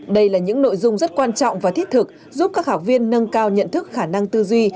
đây là những nội dung rất quan trọng và thiết thực giúp các học viên nâng cao nhận thức khả năng tư duy